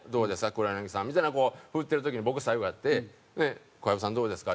黒柳さん」みたいなこう振ってる時に僕最後やって「小籔さんどうですか？」